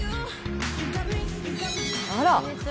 あら！